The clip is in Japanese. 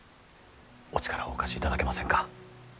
お力をお貸しいただけませんか。